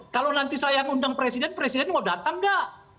kalau nanti saya ngundang presiden presiden mau datang nggak